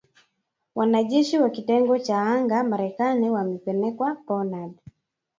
Wanajeshi wa kitengo cha anga Marekani wamepelekwa Poland